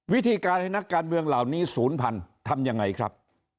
วิธีการให้นักการเมืองเหล่านี้ศูนย์พันธุ์ทำยังไงครับ